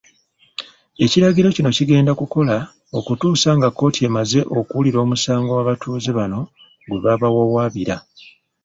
Ekiragiro kino kigenda kukola okutuusa nga kkooti emaze okuwulira omusango abatuuze bano gwe baawawaabira.